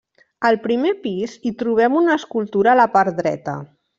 Al primer pis, hi trobem una escultura a la part dreta.